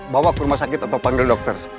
bawa ke rumah sakit atau panggil dokter